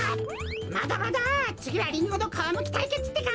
まだまだつぎはリンゴのかわむきたいけつってか！